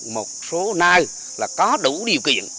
một số nai là có đủ điều kỳ